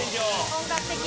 本格的。